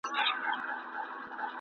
ستا د شونډو په ساغر کې را ايسار دی